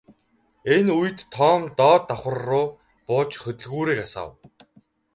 Энэ үед Том доод давхарруу бууж хөдөлгүүрийг асаав.